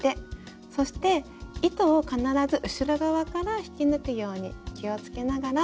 そして糸を必ず後ろ側から引き抜くように気をつけながら編んでいって下さい。